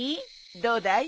どうだい？